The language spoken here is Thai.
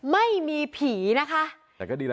ไม่มีผีนะคะ